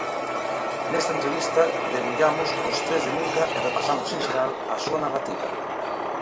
Nesta entrevista debullamos Os tres de nunca e repasamos, en xeral, a súa narrativa.